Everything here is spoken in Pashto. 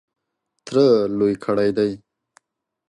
تره لوی کړی دی .